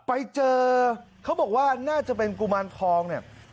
ไปเจอเขาบอกว่าน่าจะเป็นกุมารทองเนี่ย